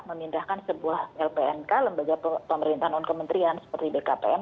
memindahkan sebuah lpnk lembaga pemerintahan non kementerian seperti bkpm